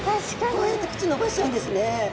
こうやって口伸ばしちゃうんですね。